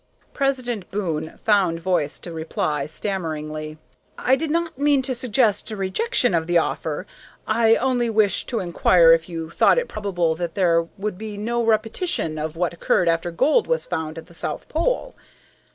President Boon found voice to reply, stammeringly: "I did not mean to suggest a rejection of the offer. I only wished to inquire if you thought it probable that there would be no repetition of what occurred after gold was found at the south pole?"